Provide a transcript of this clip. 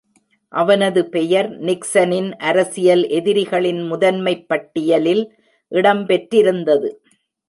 அவனது பெயர் நிக்சனின் அரசியல் எதிரிகளின் முதன்மைப் பட்டியலில் இடம் பெற்றிருந்தது.